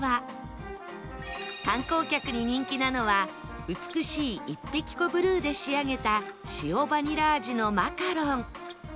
観光客に人気なのは美しい一碧湖ブルーで仕上げた塩バニラ味のマカロン